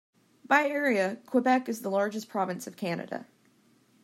By area, Quebec is the largest province of Canada.